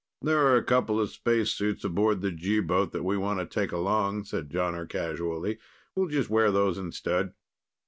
"There are a couple of spacesuits aboard the G boat that we want to take along," said Jonner casually. "We'll just wear those instead."